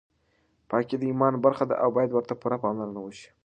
پاکي د ایمان برخه ده او باید ورته پوره پاملرنه وشي.